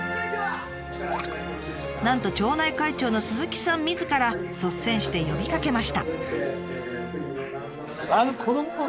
なんと町内会長の鈴木さんみずから率先して呼びかけました。